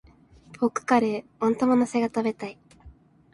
ポークカレー、温玉乗せが食べたい。